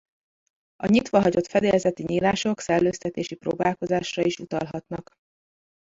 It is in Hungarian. A nyitva hagyott fedélzeti nyílások szellőztetési próbálkozásra is utalhatnak.